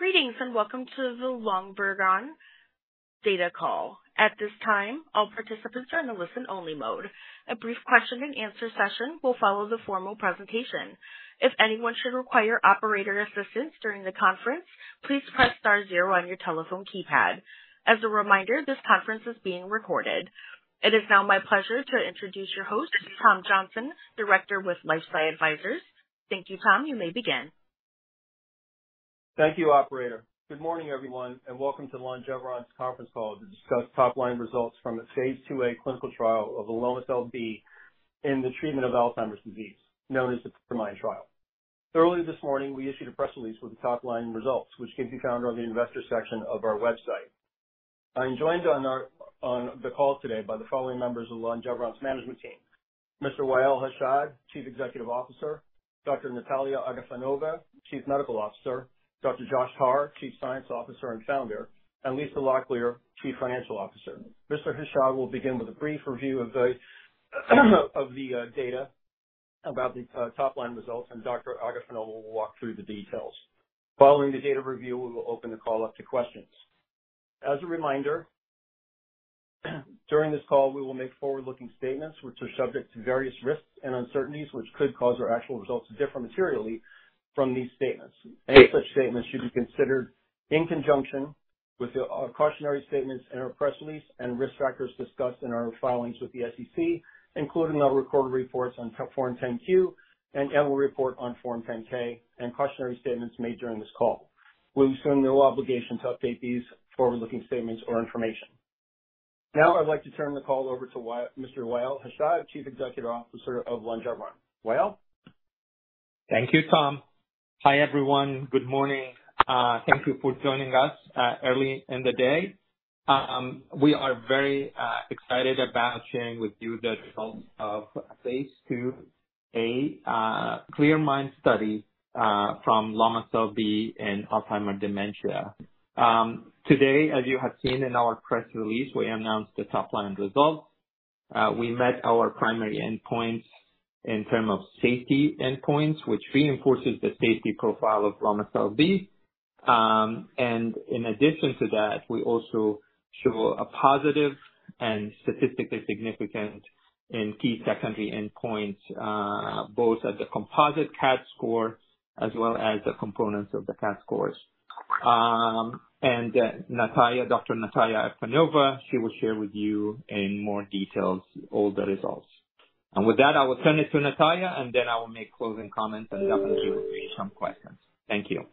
Greetings, and welcome to the Longeveron data call. At this time, all participants are in a listen-only mode. A brief question-and-answer session will follow the formal presentation. If anyone should require operator assistance during the conference, please press star zero on your telephone keypad. As a reminder, this conference is being recorded. It is now my pleasure to introduce your host, Tom Johnson, Director with LifeSci Advisors. Thank you, Tom. You may begin. Thank you, operator. Good morning, everyone, and welcome to Longeveron's conference call to discuss top line results from the phase II-A clinical trial of Lomecel-B in the treatment of Alzheimer's disease, known as the CLEAR MIND trial. Earlier this morning, we issued a press release with the top line results, which can be found on the investor section of our website. I'm joined on the call today by the following members of Longeveron's management team: Mr. Wa'el Hashad, Chief Executive Officer, Dr. Nataliya Agafonova, Chief Medical Officer, Dr. Josh Hare, Chief Science Officer and Founder, and Lisa Locklear, Chief Financial Officer. Mr. Hashad will begin with a brief review of the data about the top line results, and Dr. Agafonova will walk through the details. Following the data review, we will open the call up to questions. As a reminder, during this call, we will make forward-looking statements, which are subject to various risks and uncertainties, which could cause our actual results to differ materially from these statements. Any such statements should be considered in conjunction with the cautionary statements in our press release and risk factors discussed in our filings with the SEC, including our recorded reports on Form 10-Q and annual report on Form 10-K and cautionary statements made during this call. We assume no obligation to update these forward-looking statements or information. Now, I'd like to turn the call over to Mr. Wa'el Hashad, Chief Executive Officer of Longeveron. Wa'el? Thank you, Tom. Hi, everyone. Good morning. Thank you for joining us early in the day. We are very excited about sharing with you the results of phase II-A CLEAR MIND study from Lomecel-B and Alzheimer's dementia. Today, as you have seen in our press release, we announced the top line results. We met our primary endpoints in term of safety endpoints, which reinforces the safety profile of Lomecel-B. And in addition to that, we also show a positive and statistically significant in key secondary endpoints both at the composite CADS score as well as the components of the CADS scores. And Nataliya, Dr. Nataliya Agafonova, she will share with you in more details all the results. With that, I will turn it to Nataliya, and then I will make closing comments and definitely take some questions. Thank you.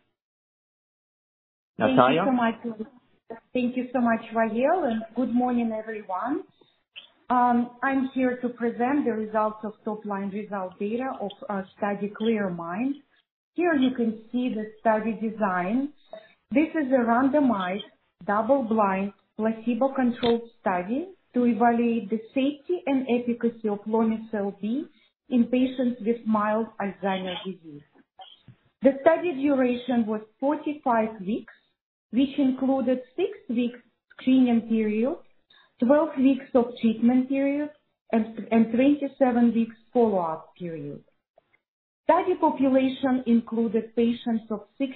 Nataliya? Thank you so much. Thank you so much, Wa'el, and good morning, everyone. I'm here to present the results of top-line result data of our study, CLEAR MIND. Here you can see the study design. This is a randomized, double-blind, placebo-controlled study to evaluate the safety and efficacy of Lomecel-B in patients with mild Alzheimer's disease. The study duration was 45 weeks, which included six weeks screening period, 12 weeks of treatment period, and 27 weeks follow-up period. Study population included patients 60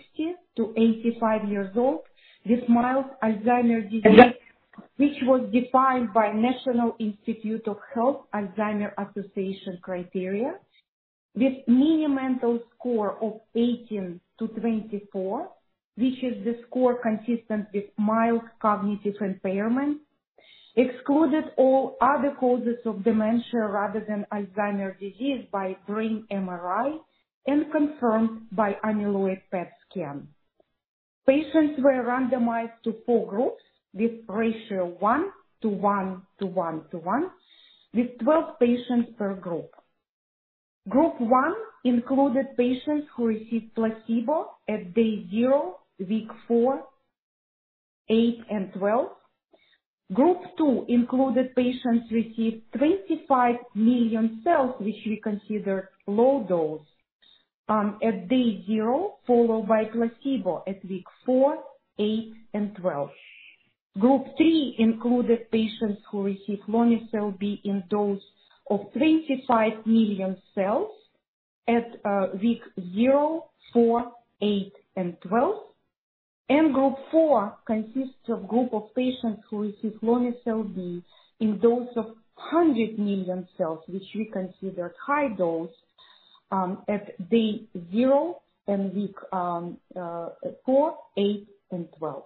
to 85 years old with mild Alzheimer's disease, which was defined by National Institute on Aging-Alzheimer's Association criteria. With Mini-Mental score of 18 to 24, which is the score consistent with mild cognitive impairment, excluded all other causes of dementia rather than Alzheimer's disease by brain MRI and confirmed by amyloid PET scan. Patients were randomized to four groups, with ratio 1:1:1:1, with 12 patients per group. Group 1 included patients who received placebo at day zero, week four, eight, and 12. Group 2 included patients received 25 million cells, which we consider low dose, at day zero, followed by placebo at week four, eight, and 12. Group 3 included patients who received Lomecel-B in dose of 25 million cells at week zero, four, eight, and 12. Group 4 consists of group of patients who receive Lomecel-B in dose of 100 million cells, which we consider high dose, at day zero and week four, eight, and 12.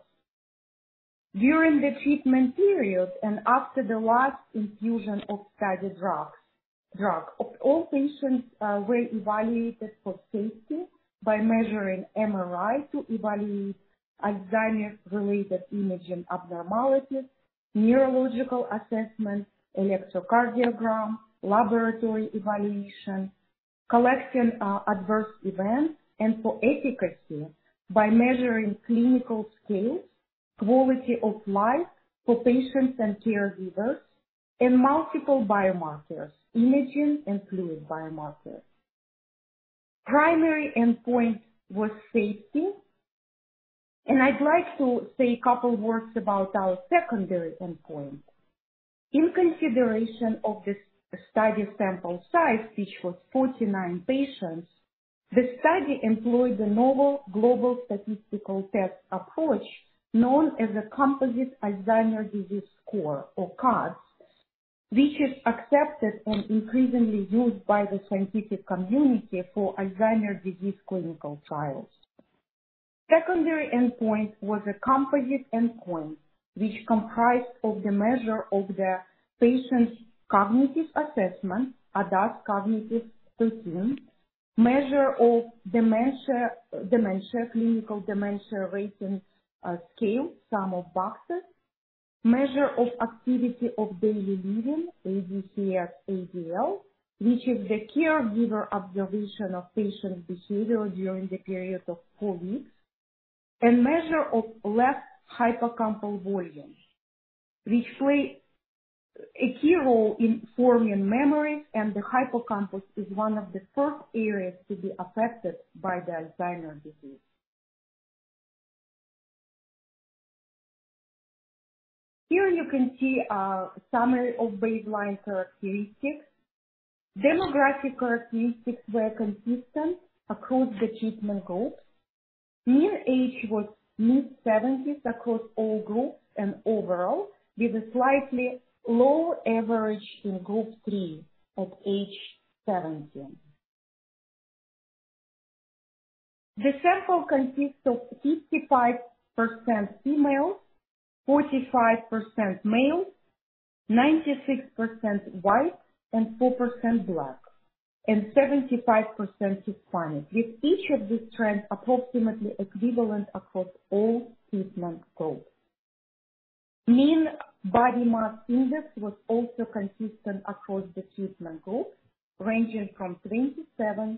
During the treatment period and after the last infusion of study drugs, all patients were evaluated for safety by measuring MRI to evaluate Alzheimer's related imaging abnormalities, neurological assessments, electrocardiogram, laboratory evaluation, collecting adverse events, and for efficacy by measuring clinical scales, quality of life for patients and caregivers, and multiple biomarkers, imaging and fluid biomarkers. Primary endpoint was safety, and I'd like to say a couple words about our secondary endpoint... In consideration of the study sample size, which was 49 patients, the study employed the novel global statistical test approach known as the Composite Alzheimer's Disease Score, or CADS, which is accepted and increasingly used by the scientific community for Alzheimer's disease clinical trials. Secondary endpoint was a composite endpoint, which comprised of the measure of the patient's cognitive assessment, ADAS cognitive performance, measure of dementia, dementia, Clinical Dementia Rating Scale, Sum of Boxes, measure of activity of daily living, ADCS-ADL, which is the caregiver observation of patient behavior during the period of four weeks, and measure of left hippocampal volume, which play a key role in forming memories, and the hippocampus is one of the first areas to be affected by the Alzheimer's disease. Here you can see a summary of baseline characteristics. Demographic characteristics were consistent across the treatment groups. Mean age was mid-70s across all groups and overall, with a slightly lower average in group 3 at age 70. The sample consists of 85% female, 45% male, 96% White, and 4% Black, and 75% Hispanic, with each of these trends approximately equivalent across all treatment groups. Mean body mass index was also consistent across the treatment groups, ranging from 27-30.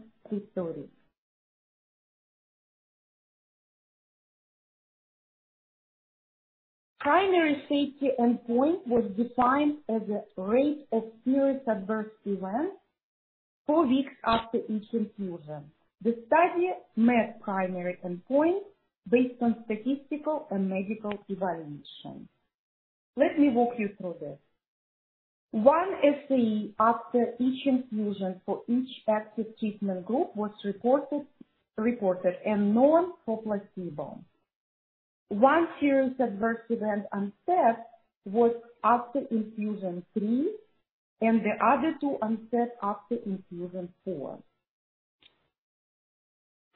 Primary safety endpoint was defined as a rate of serious adverse events four weeks after each infusion. The study met primary endpoint based on statistical and medical evaluation. Let me walk you through this. One SAE after each infusion for each active treatment group was reported and none for placebo. One serious adverse event onset was after infusion three, and the other two onset after infusion four.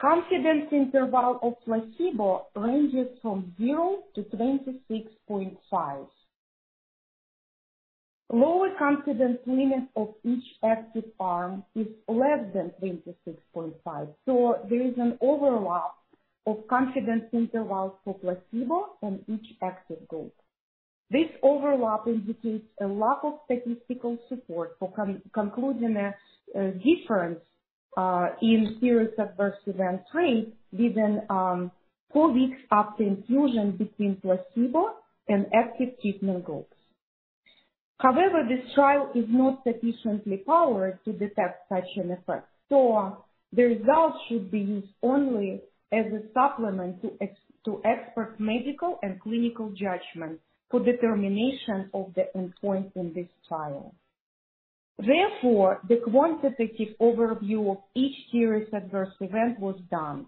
Confidence interval of placebo ranges from 0-26.5. Lower confidence limit of each active arm is less than 26.5, so there is an overlap of confidence intervals for placebo and each active group. This overlap indicates a lack of statistical support for concluding a difference in serious adverse event rate within four weeks after infusion between placebo and active treatment groups. However, this trial is not sufficiently powered to detect such an effect, so the results should be used only as a supplement to expert medical and clinical judgment for determination of the endpoint in this trial. Therefore, the quantitative overview of each serious adverse event was done.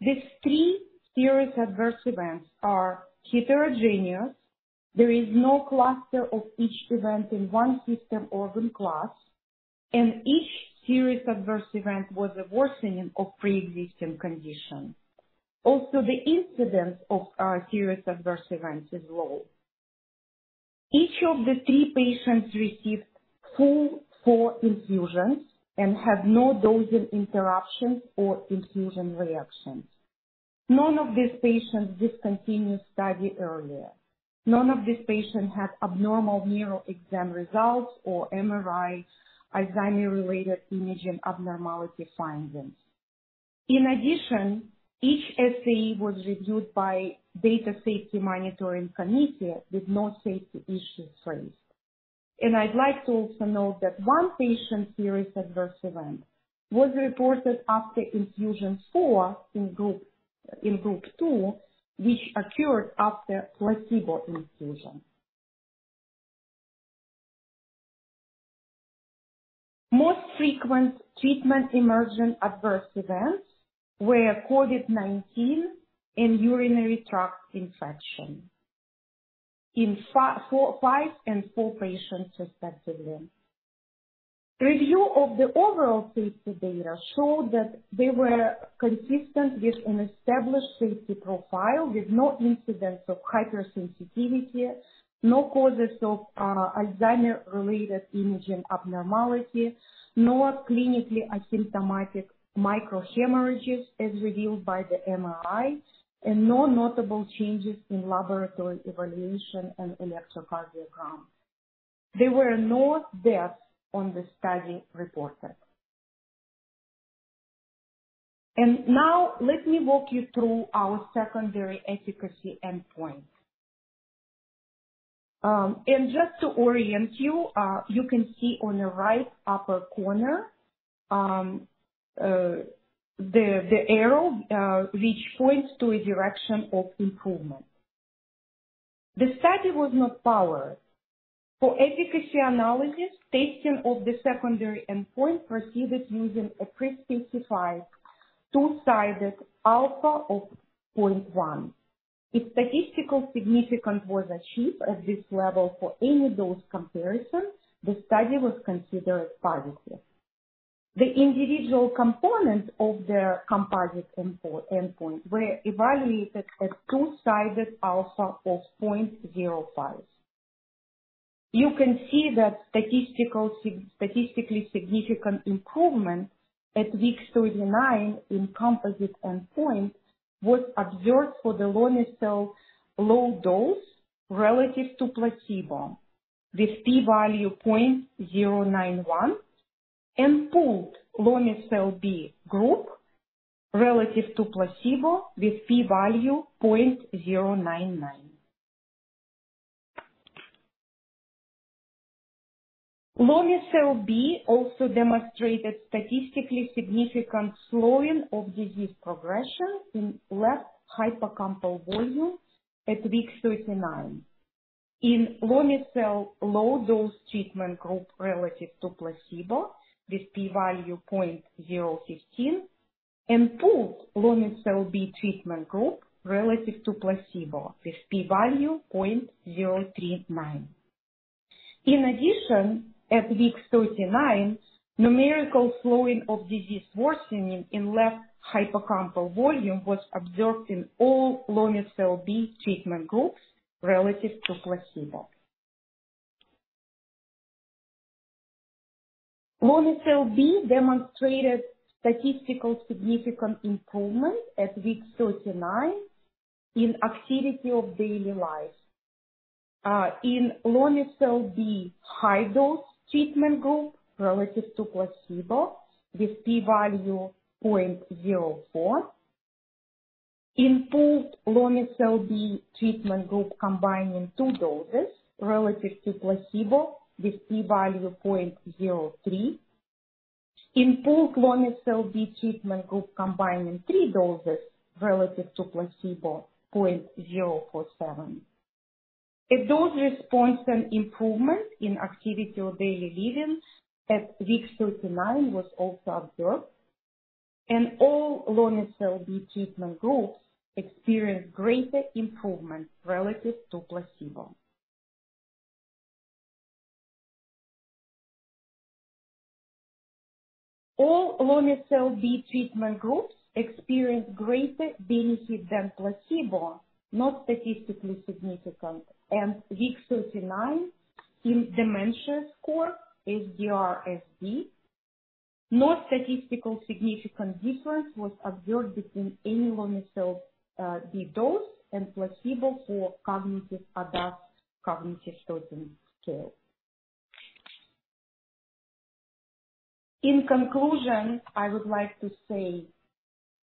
These three serious adverse events are heterogeneous. There is no cluster of each event in one system organ class, and each serious adverse event was a worsening of preexisting condition. Also, the incidence of serious adverse events is low. Each of the three patients received full four infusions and had no dosing interruptions or infusion reactions. None of these patients discontinued study earlier. None of these patients had abnormal neural exam results or MRI Alzheimer-related imaging abnormality findings. In addition, each SAE was reviewed by Data Safety Monitoring Committee with no safety issues raised. And I'd like to also note that one patient's serious adverse event was reported after infusion 4 in group 2, which occurred after placebo infusion. Most frequent treatment-emergent adverse events were COVID-19 and urinary tract infection, in five and four patients, respectively. Review of the overall safety data showed that they were consistent with an established safety profile, with no incidents of hypersensitivity, no cases of Alzheimer-related imaging abnormality, no clinically asymptomatic microhemorrhages, as revealed by the MRI, and no notable changes in laboratory evaluation and electrocardiogram. There were no deaths on the study reported. And now let me walk you through our secondary efficacy endpoint. And just to orient you, you can see on the right upper corner, the arrow, which points to a direction of improvement. The study was not powered. For efficacy analysis, testing of the secondary endpoint proceeded using a pre-specified two-sided alpha of 0.1. If statistical significance was achieved at this level for any of those comparisons, the study was considered positive. The individual components of the composite endpoint were evaluated at two-sided alpha of 0.05. You can see that statistically significant improvement at week 39 in composite endpoint was observed for the Lomecel low dose relative to placebo, with P-value 0.091, and pooled Lomecel-B group relative to placebo with P-value 0.099. Lomecel-B also demonstrated statistically significant slowing of disease progression in left hippocampal volume at week 39. In Lomecel-B low dose treatment group relative to placebo, with P-value 0.015, and pooled Lomecel-B treatment group relative to placebo, with P-value 0.039. In addition, at week 39, numerical slowing of disease worsening in left hippocampal volume was observed in all Lomecel-B treatment groups relative to placebo. Lomecel-B demonstrated statistically significant improvement at week 39 in activity of daily life. In Lomecel-B high dose treatment group relative to placebo, with P-value 0.04. In pooled Lomecel-B treatment group combining two doses relative to placebo, with P-value 0.03. In pooled Lomecel-B treatment group combining three doses relative to placebo, 0.047. A dose response and improvement in activity of daily living at week 39 was also observed, and all Lomecel-B treatment groups experienced greater improvement relative to placebo. All Lomecel-B treatment groups experienced greater benefit than placebo, not statistically significant, and week 39 in dementia score, CDR-SB. No statistical significant difference was observed between any Lomecel-B dose and placebo for cognitive ADAS-Cog cognitive testing scale. In conclusion, I would like to say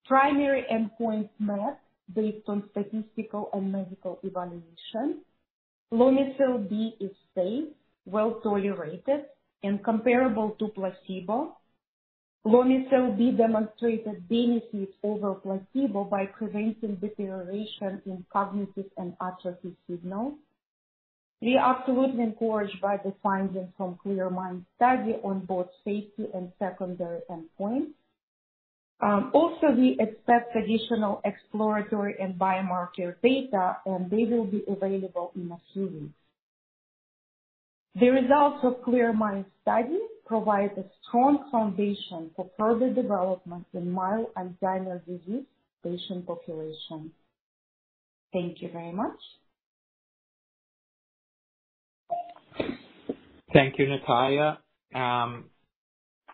primary endpoint met based on statistical and medical evaluation. Lomecel-B is safe, well tolerated, and comparable to placebo. Lomecel-B demonstrated benefit over placebo by preventing deterioration in cognitive and atrophy signals. We are absolutely encouraged by the findings from CLEAR MIND study on both safety and secondary endpoints. Also, we expect additional exploratory and biomarker data, and they will be available in the series. The results of CLEAR MIND study provide a strong foundation for further development in mild Alzheimer's disease patient population. Thank you very much. Thank you, Nataliya.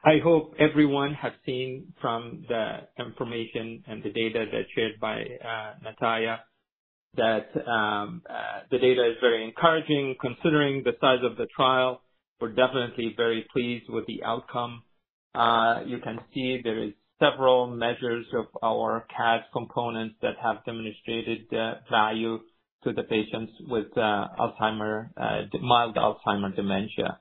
I hope everyone has seen from the information and the data that's shared by Nataliya, that the data is very encouraging considering the size of the trial. We're definitely very pleased with the outcome. You can see there is several measures of our CADS components that have demonstrated value to the patients with Alzheimer's, mild Alzheimer's dementia.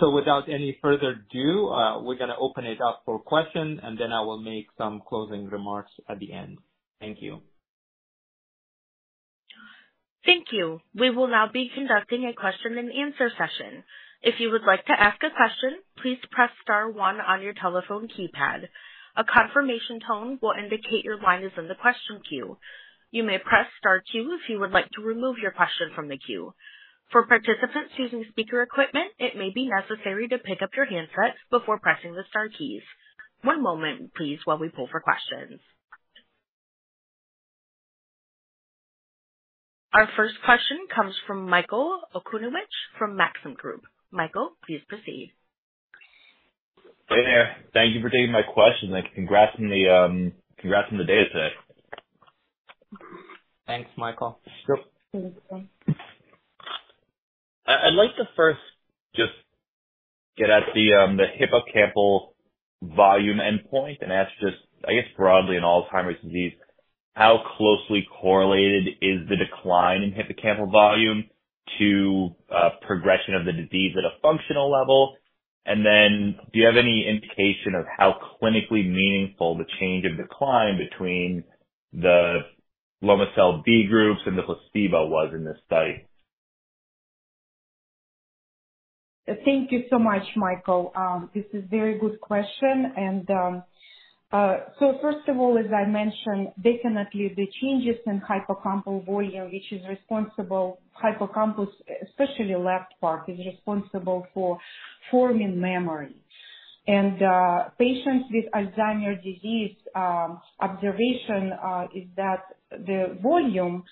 So without any further ado, we're going to open it up for questions, and then I will make some closing remarks at the end. Thank you. Thank you. We will now be conducting a question and answer session. If you would like to ask a question, please press star one on your telephone keypad. A confirmation tone will indicate your line is in the question queue. You may press star two if you would like to remove your question from the queue. For participants using speaker equipment, it may be necessary to pick up your handset before pressing the star keys. One moment, please, while we pull for questions. Our first question comes from Michael Okunewitch from Maxim Group. Michael, please proceed. Hey there. Thank you for taking my question. Congrats on the data today. Thanks, Michael. Sure. Thank you. I'd like to first just get at the hippocampal volume endpoint, and ask just, I guess, broadly in Alzheimer's disease how closely correlated is the decline in hippocampal volume to progression of the disease at a functional level? And then do you have any indication of how clinically meaningful the change of decline between the Lomecel-B groups and the placebo was in this study? Thank you so much, Michael. This is very good question. So first of all, as I mentioned, definitely the changes in hippocampal volume, which is responsible, hippocampus, especially left part, is responsible for forming memory. Patients with Alzheimer's disease, observation, is that the volume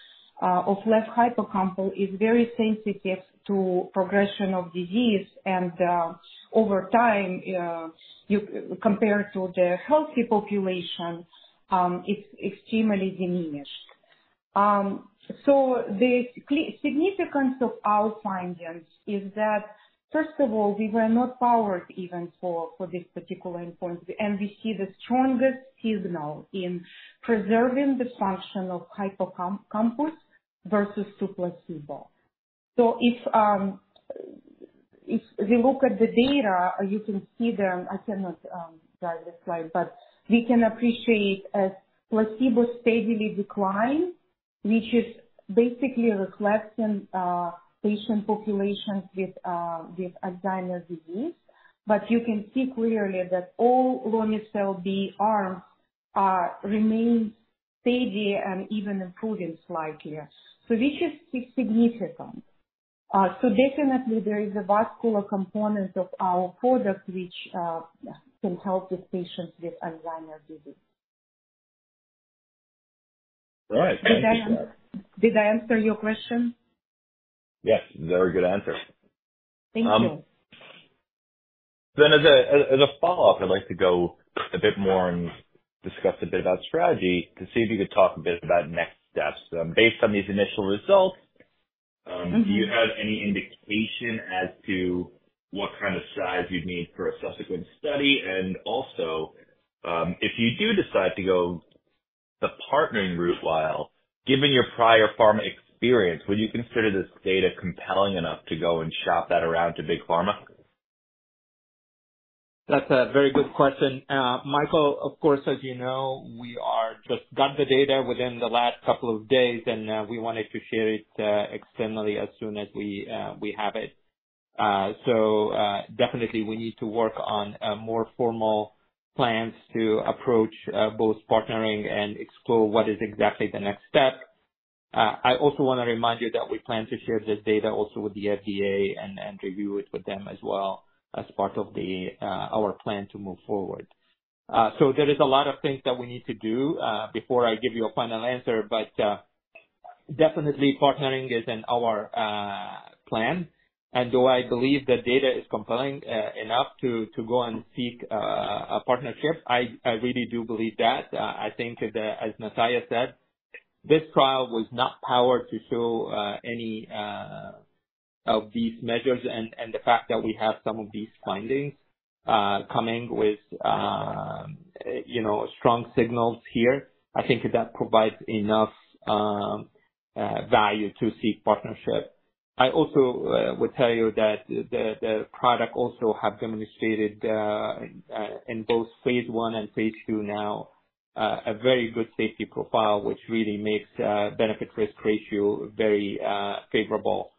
of left hippocampus is very sensitive to progression of disease. And, over time, compared to the healthy population, it's extremely diminished. So the significance of our findings is that, first of all, we were not powered even for, for this particular endpoint. And we see the strongest signal in preserving the function of hippocampus versus to placebo. So if, if we look at the data, you can see there, I cannot drive the slide, but we can appreciate as placebo steadily decline, which is basically reflecting patient populations with with Alzheimer's disease. But you can see clearly that all Lomecel-B arms remain steady and even improving slightly. So this is significant. So definitely there is a vascular component of our product which can help the patients with Alzheimer's disease. All right. Thank you for that. Did I answer your question? Yes, very good answer. Thank you. Then, as a follow-up, I'd like to go a bit more and discuss a bit about strategy, to see if you could talk a bit about next steps. Based on these initial results, do you have any indication as to what kind of size you'd need for a subsequent study? And also, if you do decide to go the partnering route, while giving your prior pharma experience, would you consider this data compelling enough to go and shop that around to big pharma? That's a very good question, Michael. Of course, as you know, we are just got the data within the last couple of days, and, we wanted to share it, externally as soon as we, we have it. So, definitely we need to work on a more formal plans to approach, both partnering and explore what is exactly the next step. I also want to remind you that we plan to share this data also with the FDA and, and review it with them as well, as part of the, our plan to move forward. So there is a lot of things that we need to do, before I give you a final answer, but, definitely partnering is in our, plan. Do I believe the data is compelling enough to go and seek a partnership? I really do believe that. I think that, as Nataliya said, this trial was not powered to show any of these measures. The fact that we have some of these findings coming with, you know, strong signals here, I think that provides enough value to seek partnership. I also would tell you that the product also has demonstrated, in both phase one and phase two now, a very good safety profile, which really makes benefit-risk ratio very favorable.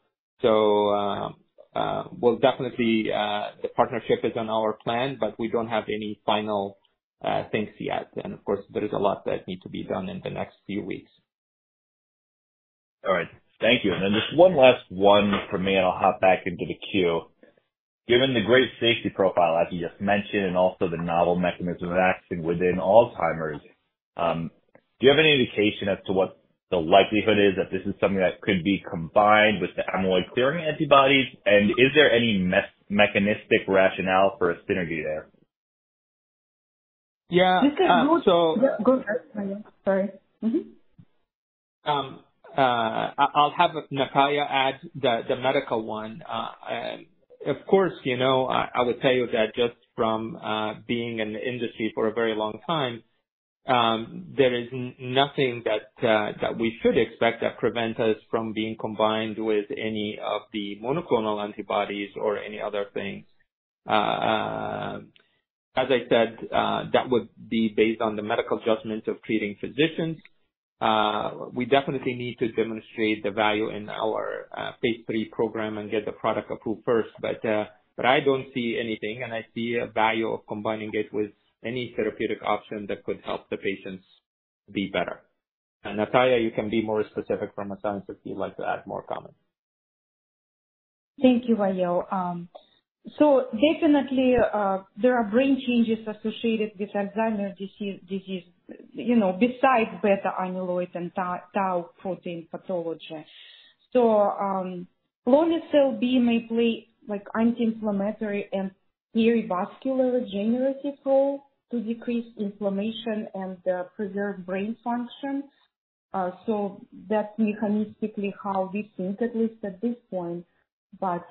Well, definitely the partnership is on our plan, but we don't have any final things yet. Of course, there is a lot that need to be done in the next few weeks. All right. Thank you. And then just one last one from me, and I'll hop back into the queue. Given the great safety profile, as you just mentioned, and also the novel mechanism of action within Alzheimer's, do you have any indication as to what the likelihood is that this is something that could be combined with the amyloid clearing antibodies? And is there any mechanistic rationale for a synergy there? Yeah, so- Go first, sorry. I'll have Nataliya add the medical one. Of course, you know, I would tell you that just from being in the industry for a very long time, there is nothing that we should expect that prevent us from being combined with any of the monoclonal antibodies or any other things. As I said, that would be based on the medical judgment of treating physicians. We definitely need to demonstrate the value in our phase three program and get the product approved first. I don't see anything, and I see a value of combining it with any therapeutic option that could help the patients be better. Nataliya, you can be more specific from a science, if you'd like to add more comment. Thank you, Wa'el. So definitely, there are brain changes associated with Alzheimer's disease, you know, besides beta-amyloid and tau protein pathology. So, Lomecel-B may play like, anti-inflammatory and neurovascular regenerative role to decrease inflammation and preserve brain function. So that's mechanistically how we think, at least at this point, but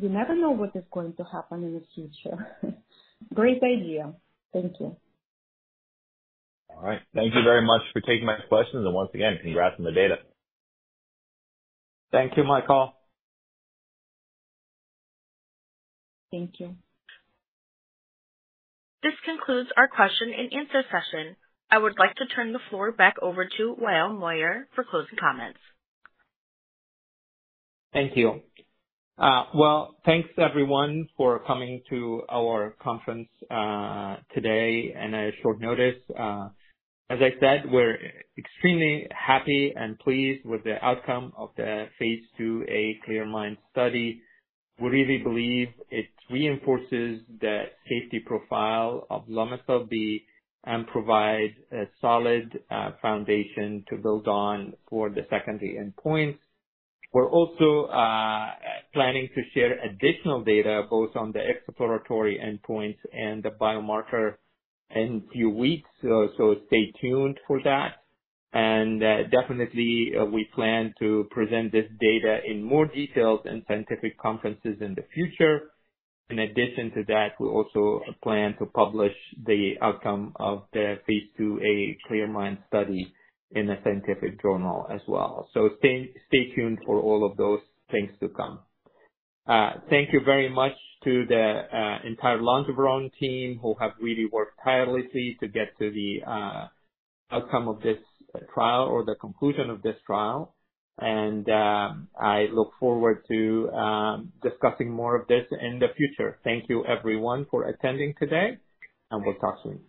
we never know what is going to happen in the future. Great idea. Thank you. All right. Thank you very much for taking my questions. Once again, congrats on the data. Thank you, Michael. Thank you. This concludes our question and answer session. I would like to turn the floor back over to Wa'el Hashad for closing comments. Thank you. Well, thanks, everyone, for coming to our conference today and at short notice. As I said, we're extremely happy and pleased with the outcome of the phase II-A CLEAR MIND study. We really believe it reinforces the safety profile of Lomecel-B, and provides a solid foundation to build on for the secondary endpoint. We're also planning to share additional data, both on the exploratory endpoints and the biomarker in a few weeks, so stay tuned for that. We definitely plan to present this data in more detail in scientific conferences in the future. In addition to that, we also plan to publish the outcome of the phase II-A CLEAR MIND study in a scientific journal as well. Stay tuned for all of those things to come. Thank you very much to the entire Longeveron team, who have really worked tirelessly to get to the outcome of this trial, or the conclusion of this trial. I look forward to discussing more of this in the future. Thank you, everyone, for attending today, and we'll talk soon.